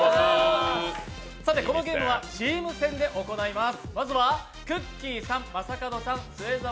このゲームはチーム戦で行います。